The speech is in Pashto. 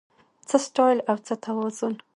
څه سټایل او څه توازن